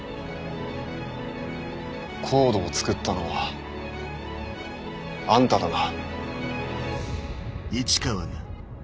ＣＯＤＥを作ったのはあんただな？